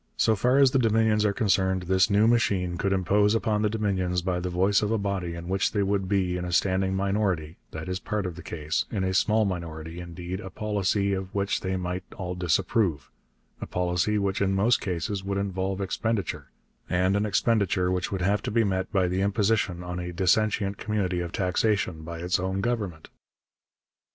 So far as the Dominions are concerned, this new machine could impose upon the Dominions by the voice of a body in which they would be in a standing minority (that is part of the case), in a small minority, indeed, a policy of which they might all disapprove, a policy which in most cases would involve expenditure, and an expenditure which would have to be met by the imposition on a dissentient community of taxation by its own government.